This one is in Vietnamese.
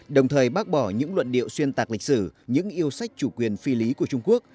đồng thời bác bỏ những luận điệu xuyên tạc lịch sử những yêu sách chủ quyền phi lý của trung quốc